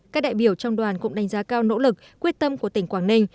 các đại biểu trong đoàn cũng đánh giá cao nỗ lực quyết tâm của tỉnh quảng ninh